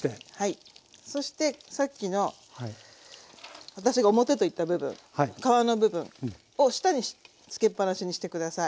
そしてさっきの私が表と言った部分皮の部分を下につけっぱなしにして下さい。